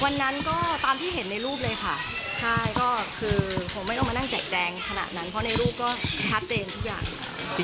วันนั้นก็ตามที่เห็นในรูปเลยค่ะใช่ก็คือคงไม่ต้องมานั่งแจกแจงขนาดนั้นเพราะในรูปก็ชัดเจนทุกอย่าง